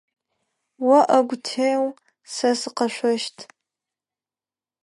О ӏэгу теу, сэ сыкъэшъощт.